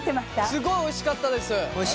すごいおいしかったです。